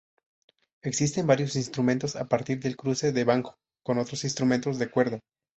Existen varios instrumentos a partir del cruce de banjo con otros instrumentos de cuerda.